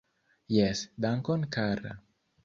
Jes, dankon kara!